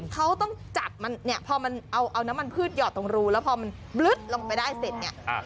เขาต้องจับมันเนี่ยพอมันเอาน้ำมันพืชหอดตรงรูแล้วพอมันบลึ๊ดลงไปได้เสร็จเนี่ย